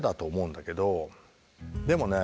でもね